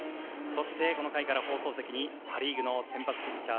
そして、この回から放送席にパ・リーグの先発ピッチャー